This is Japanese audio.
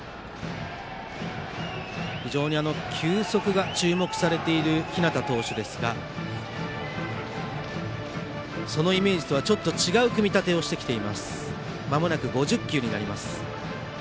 非常に球速が注目されている日當投手ですがそのイメージとはちょっと違う組み立てをしてきています。